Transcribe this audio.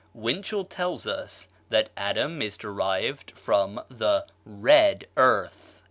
Winchell tells us that Adam is derived from the red earth.